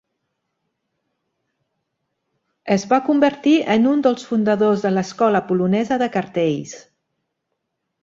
Es va convertir en un dels fundadors de l'Escola polonesa de cartells.